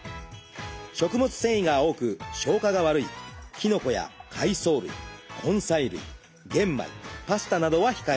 食物繊維が多く消化が悪いきのこや海藻類根菜類玄米パスタなどは控えめに。